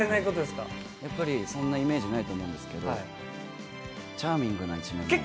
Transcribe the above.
やっぱりそんなイメージないと思いますけど、チャーミングな一面も。